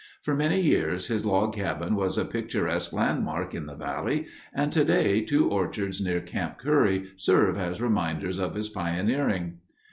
For many years his log cabin was a picturesque landmark in the valley, and today two orchards near Camp Curry serve as reminders of his pioneering.